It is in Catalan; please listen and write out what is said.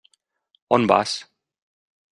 On vas?